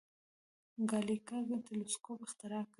ګالیله تلسکوپ اختراع کړ.